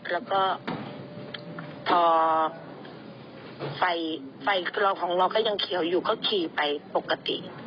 แล้วก็พอไฟเราของเราก็ยังเขียวอยู่ก็ขี่ไปปกติ